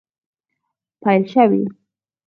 پیل شوي